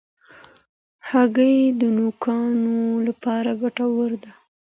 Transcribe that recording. هګۍ د نوکانو لپاره ګټوره ده.